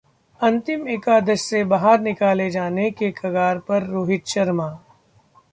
अंतिम एकादश से बाहर निकाले जाने के कगार पर रोहित शर्मा